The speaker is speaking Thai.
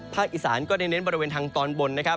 ภาคอิสานก็ได้เน้นบริเวณทางตอนบน